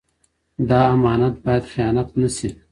دا امانت بايد خيانت نشي.